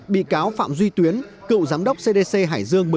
bị cáo phạm duy tuyến cựu giám đốc cdch